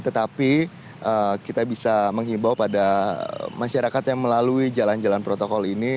tetapi kita bisa menghimbau pada masyarakat yang melalui jalan jalan protokol ini